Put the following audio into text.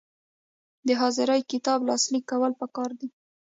د حاضري کتاب لاسلیک کول پکار دي